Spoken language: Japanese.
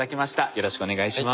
よろしくお願いします。